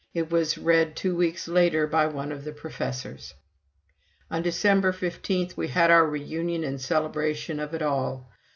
It was read two weeks later by one of the professors. On December 15 we had our reunion and celebration of it all.